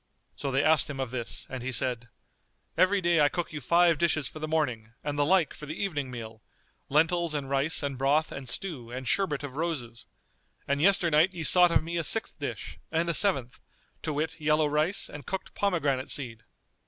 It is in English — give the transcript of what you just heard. So they asked him of this and he said, "Every day I cook you five dishes for the morning and the like for the evening meal, lentils and rice and broth and stew[FN#240] and sherbet of roses; and yesternight ye sought of me a sixth dish and a seventh, to wit yellow rice and cooked pomegranate seed."